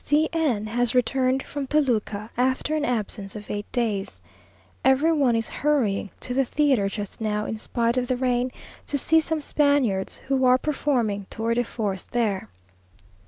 C n has returned from Toluca, after an absence of eight days. Every one is hurrying to the theatre just now, in spite of the rain, to see some Spaniards, who are performing tours de force there.